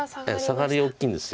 サガリ大きいんです